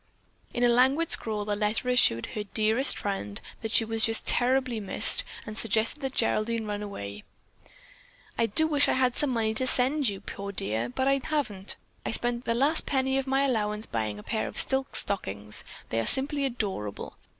In a languid scrawl, the letter assured her "dearest" friend that she was just terribly missed and suggested that Geraldine run away. "I do wish I had some money to send to you, poor dear, but I haven't. I spent the last penny of my allowance buying a pair of silk stockings. They are simply adorable!